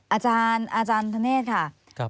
อาจารย์อาจารย์ธเนธค่ะ